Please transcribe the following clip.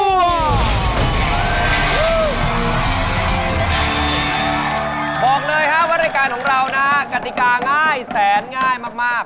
บอกเลยว่ารายการของเรานะกติกาง่ายแสนง่ายมาก